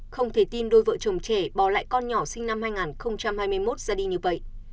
không thể tin đôi vợ chồng trẻ bỏ lại con nhỏ sinh năm hai nghìn hai mươi một ra đi như vậy